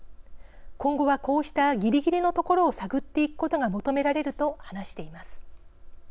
今後はこうしたギリギリのところを探っていくことが求められる」と話しています。